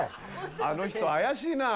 あの人怪しいなあ。